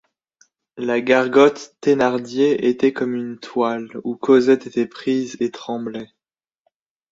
La gargote Thénardier était comme une toile où Cosette était prise et tremblait.